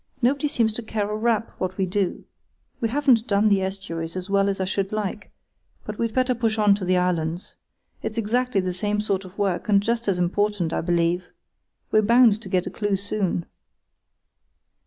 Nobody seems to care a rap what we do. We haven't done the estuaries as well as I should like, but we'd better push on to the islands. It's exactly the same sort of work, and just as important, I believe. We're bound to get a clue soon."